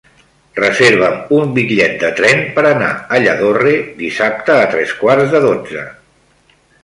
Reserva'm un bitllet de tren per anar a Lladorre dissabte a tres quarts de dotze.